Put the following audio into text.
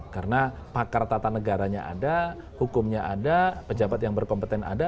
karena pakar tata negaranya ada hukumnya ada pejabat yang berkompeten ada